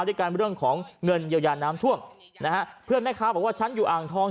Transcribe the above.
ด้วยการเรื่องของเงินเยียวยาน้ำท่วมนะฮะเพื่อนแม่ค้าบอกว่าฉันอยู่อ่างทอง